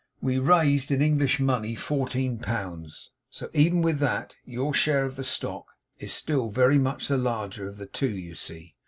' We raised, in English money, fourteen pounds. So, even with that, your share of the stock is still very much the larger of the two you see.